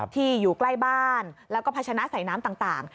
อยู่ใกล้บ้านแล้วก็พัชนะใส่น้ำต่าง